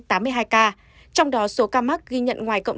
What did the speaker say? trong đó số ca mắc ghi nhận ngoài tỉnh